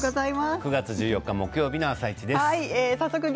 ９月１４日木曜日の「あさイチ」です。